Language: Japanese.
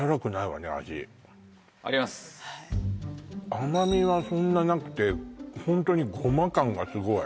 甘みはそんななくてホントにゴマ感がスゴい